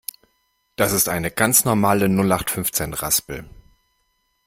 Das ist eine ganz normale Nullachtfünfzehn-Raspel.